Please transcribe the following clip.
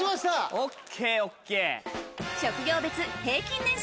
ＯＫＯＫ。